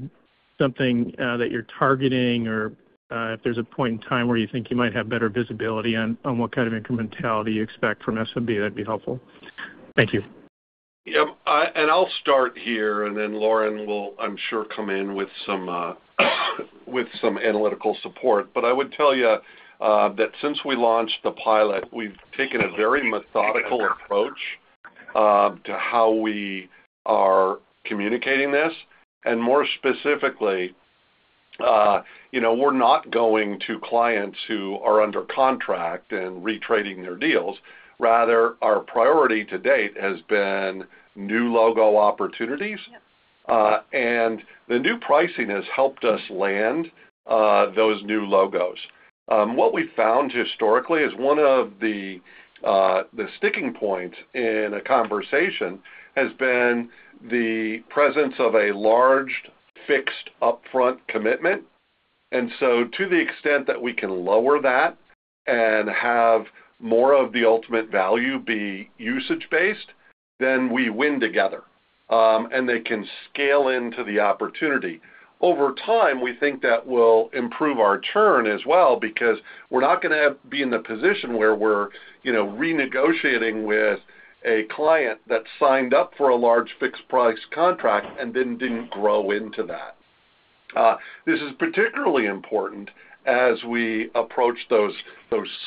something that you're targeting or if there's a point in time where you think you might have better visibility on what kind of incrementality you expect from SMB, that'd be helpful. Thank you. Yep, and I'll start here, and then Lauren will, I'm sure, come in with some analytical support. But I would tell you that since we launched the pilot, we've taken a very methodical approach to how we are communicating this. And more specifically, you know, we're not going to clients who are under contract and retrading their deals. Rather, our priority to date has been new logo opportunities. Yep. And the new pricing has helped us land those new logos. What we found historically is one of the sticking points in a conversation has been the presence of a large, fixed, upfront commitment. So to the extent that we can lower that and have more of the ultimate value be usage-based, then we win together, and they can scale into the opportunity. Over time, we think that will improve our churn as well, because we're not gonna have be in the position where we're, you know, renegotiating with a client that signed up for a large fixed price contract and then didn't grow into that. This is particularly important as we approach those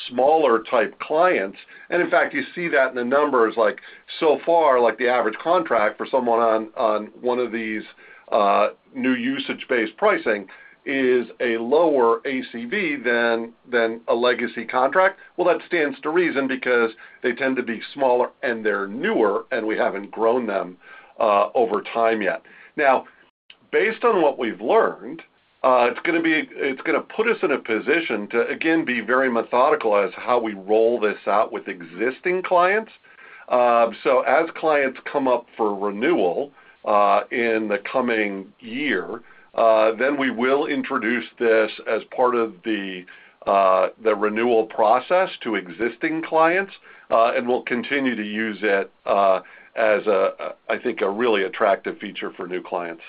smaller type clients. In fact, you see that in the numbers, like, so far, like, the average contract for someone on one of these new usage-based pricing is a lower ACV than a legacy contract. Well, that stands to reason because they tend to be smaller, and they're newer, and we haven't grown them over time yet. Now, based on what we've learned, it's gonna put us in a position to again be very methodical as how we roll this out with existing clients. So as clients come up for renewal in the coming year, then we will introduce this as part of the renewal process to existing clients, and we'll continue to use it as a, I think, a really attractive feature for new clients.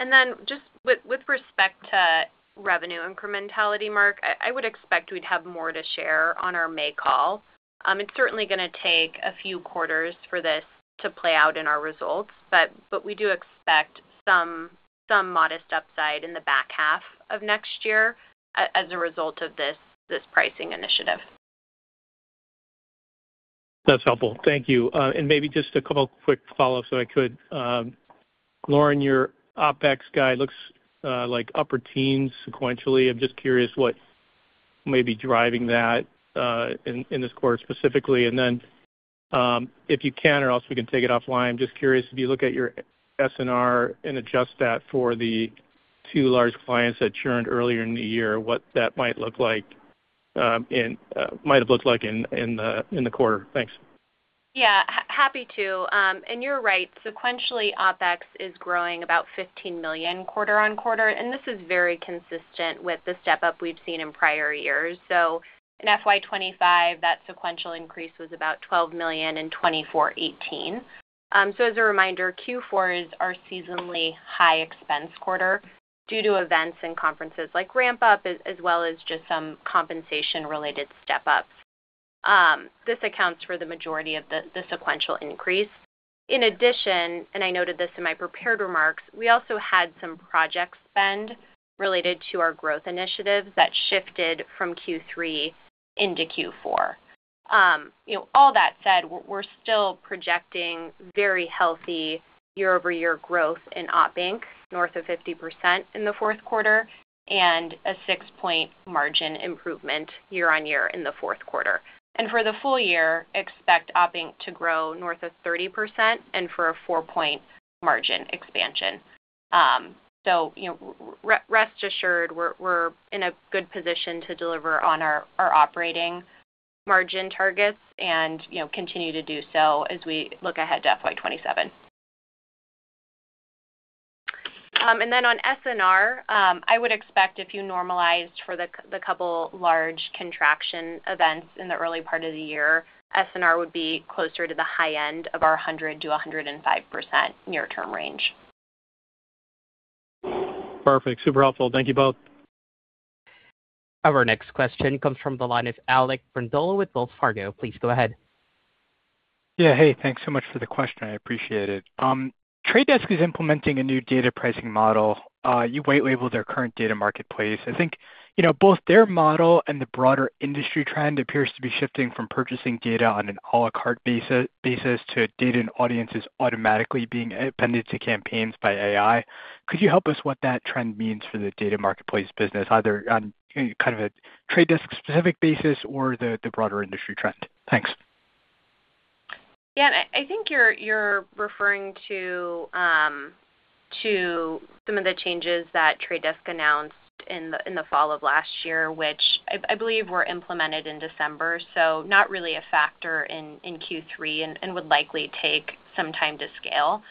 And then just with respect to revenue incrementality, Mark, I would expect we'd have more to share on our May call. It's certainly gonna take a few quarters for this to play out in our results, but we do expect some modest upside in the back half of next year as a result of this pricing initiative. That's helpful. Thank you. And maybe just a couple quick follow-ups, if I could. Lauren, your OpEx guide looks like upper teens sequentially. I'm just curious what may be driving that in this quarter specifically. And then, if you can, or else we can take it offline, I'm just curious, if you look at your SNR and adjust that for the two large clients that churned earlier in the year, what that might have looked like in the quarter? Thanks. Yeah, happy to. And you're right, sequentially, OpEx is growing about $15 million quarter-over-quarter, and this is very consistent with the step-up we've seen in prior years. So in FY 2025, that sequential increase was about $12 million and 2024 $18 million. So as a reminder, Q4 is our seasonally high expense quarter due to events and conferences like Ramp Up, as well as just some compensation-related step-ups. This accounts for the majority of the sequential increase. In addition, and I noted this in my prepared remarks, we also had some project spend related to our growth initiatives that shifted from Q3 into Q4. You know, all that said, we're still projecting very healthy year-over-year growth in OpInc, north of 50% in the fourth quarter, and a six-point margin improvement year-over-year in the fourth quarter. For the full year, expect operating income to grow north of 30% and for a four-point margin expansion. So, you know, rest assured, we're in a good position to deliver on our operating margin targets and, you know, continue to do so as we look ahead to FY 2027. And then on SNR, I would expect if you normalized for the couple large contraction events in the early part of the year, SNR would be closer to the high end of our 100%-105% near-term range. Perfect. Super helpful. Thank you both. Our next question comes from the line of Alec Brondolo with Wells Fargo. Please go ahead. Yeah, hey, thanks so much for the question, I appreciate it. The Trade Desk is implementing a new data pricing model. You white label their current Data Marketplace. I think, you know, both their model and the broader industry trend appears to be shifting from purchasing data on an a la carte basis to data and audiences automatically being appended to campaigns by AI. Could you help us what that trend means for the Data Marketplace business, either on kind of a The Trade Desk specific basis or the broader industry trend? Thanks. Yeah, I think you're referring to some of the changes that Trade Desk announced in the fall of last year, which I believe were implemented in December, so not really a factor in Q3 and would likely take some time to scale.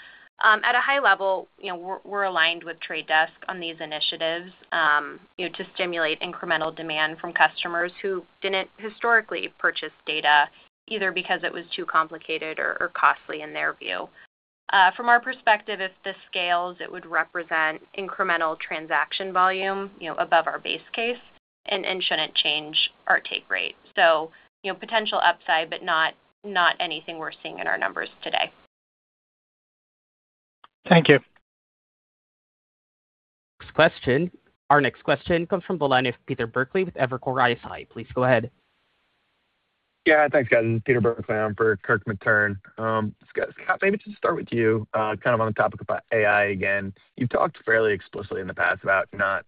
At a high level, you know, we're aligned with Trade Desk on these initiatives, you know, to stimulate incremental demand from customers who didn't historically purchase data, either because it was too complicated or costly in their view. From our perspective, if it scales, it would represent incremental transaction volume, you know, above our base case and shouldn't change our take rate. So, you know, potential upside, but not anything we're seeing in our numbers today. Thank you. Next question. Our next question comes from the line of Peter Burkly with Evercore ISI. Please go ahead. Yeah, thanks, guys. This is Peter Burkly. I'm for Kirk Materne. Scott, Scott, maybe just start with you, kind of on the topic about AI again. You've talked fairly explicitly in the past about not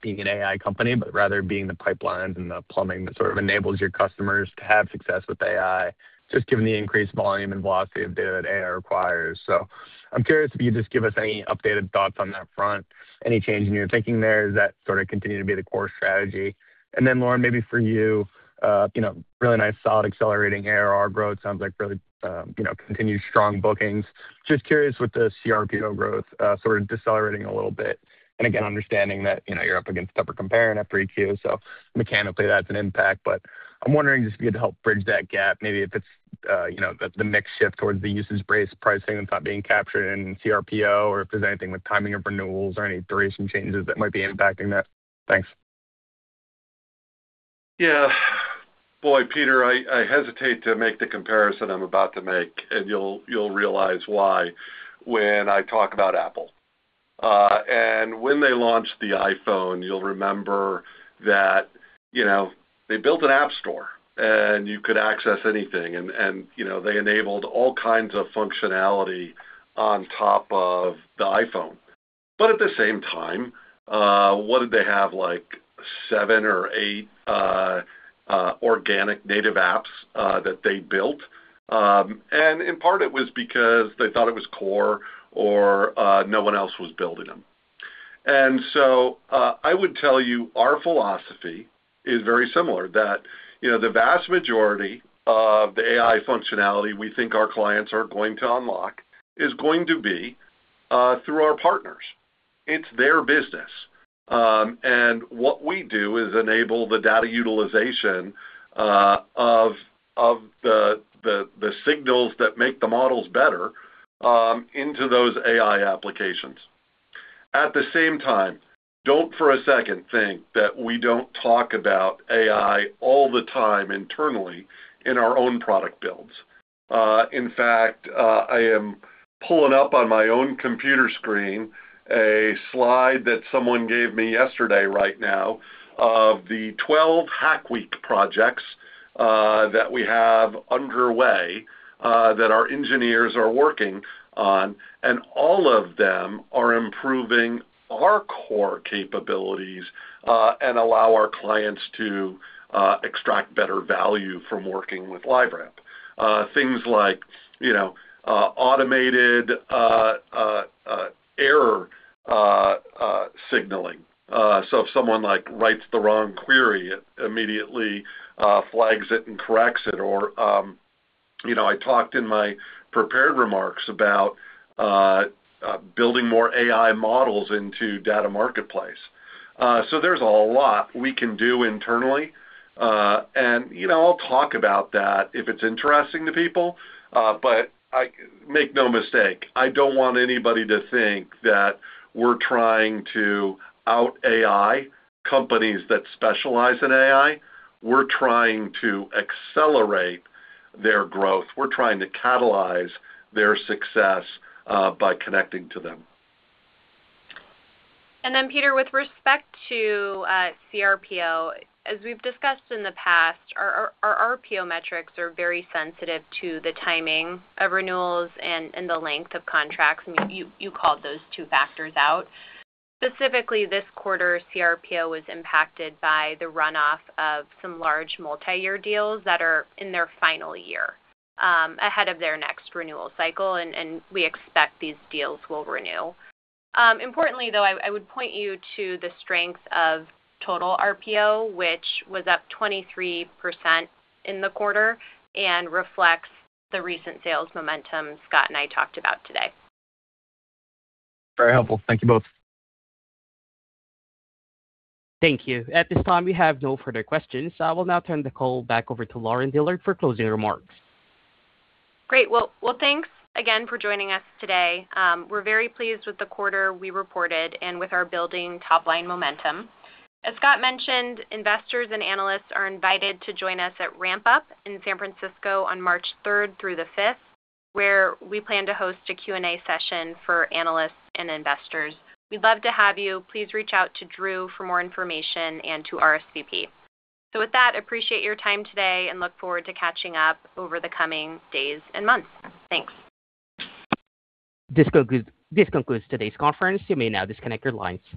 being an AI company, but rather being the pipelines and the plumbing that sort of enables your customers to have success with AI, just given the increased volume and velocity of data that AI requires. So I'm curious if you could just give us any updated thoughts on that front. Any change in your thinking there? Does that sort of continue to be the core strategy? And then, Lauren, maybe for you, you know, really nice, solid, accelerating ARR growth. Sounds like really, you know, continued strong bookings. Just curious with the CRPO growth, sort of decelerating a little bit. And again, understanding that, you know, you're up against tougher comparing F3Q, so mechanically, that's an impact. But I'm wondering just if you had to help bridge that gap, maybe if it's, you know, the mix shift towards the usage-based pricing that's not being captured in CRPO, or if there's anything with timing of renewals or any duration changes that might be impacting that. Thanks. Yeah. Boy, Peter, I hesitate to make the comparison I'm about to make, and you'll realize why when I talk about Apple. And when they launched the iPhone, you'll remember that, you know, they built an app store, and you could access anything and, you know, they enabled all kinds of functionality on top of the iPhone. But at the same time, what did they have? Like, seven or eight organic native apps that they built. And in part, it was because they thought it was core or no one else was building them. And so, I would tell you, our philosophy is very similar, that, you know, the vast majority of the AI functionality we think our clients are going to unlock is going to be through our partners. It's their business. And what we do is enable the data utilization of the signals that make the models better into those AI applications. At the same time, don't for a second think that we don't talk about AI all the time internally in our own product builds. In fact, I am pulling up on my own computer screen a slide that someone gave me yesterday right now of the 12 Hack Week projects that we have underway that our engineers are working on, and all of them are improving our core capabilities and allow our clients to extract better value from working with LiveRamp. Things like, you know, error signaling. So if someone, like, writes the wrong query, it immediately flags it and corrects it. You know, I talked in my prepared remarks about building more AI models into Data Marketplace. So there's a lot we can do internally. You know, I'll talk about that if it's interesting to people, but make no mistake, I don't want anybody to think that we're trying to out-AI companies that specialize in AI. We're trying to accelerate their growth. We're trying to catalyze their success by connecting to them. Peter, with respect to CRPO, as we've discussed in the past, our RPO metrics are very sensitive to the timing of renewals and the length of contracts, and you called those two factors out. Specifically, this quarter, CRPO was impacted by the runoff of some large multi-year deals that are in their final year ahead of their next renewal cycle, and we expect these deals will renew. Importantly, though, I would point you to the strength of total RPO, which was up 23% in the quarter and reflects the recent sales momentum Scott and I talked about today. Very helpful. Thank you both. Thank you. At this time, we have no further questions. I will now turn the call back over to Lauren Dillard for closing remarks. Great. Well, well, thanks again for joining us today. We're very pleased with the quarter we reported and with our building top-line momentum. As Scott mentioned, investors and analysts are invited to join us at Ramp Up in San Francisco on March third through the fifth, where we plan to host a Q&A session for analysts and investors. We'd love to have you. Please reach out to Drew for more information and to RSVP. So with that, appreciate your time today and look forward to catching up over the coming days and months. Thanks. This concludes today's conference. You may now disconnect your lines.